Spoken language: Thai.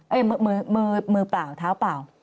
เอ้ยมือเปล่าท้าวเปล่า